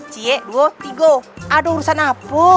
cie duo tigo ada urusan apa